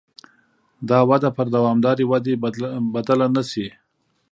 دا وده پر دوامدارې ودې بدله نه شي.